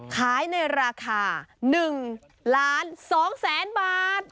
ขายในราคา๑ล้าน๒แสนบาท